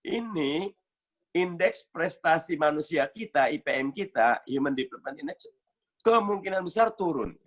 ini indeks prestasi manusia kita ipm kita human development kemungkinan besar turun